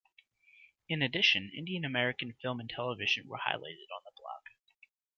In addition Indian American film and television were highlighted on the blog.